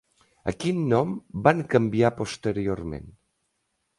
A quin nom van canviar posteriorment?